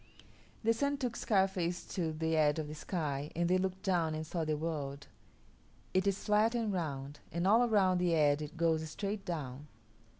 The Sun took Scarface to the edge of the sky and they looked down and saw the world. It is flat and round, and all around the edge it goes straight down.